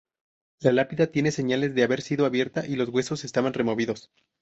La lápida tiene señales de haber sido abierta y los huesos estaban removidos.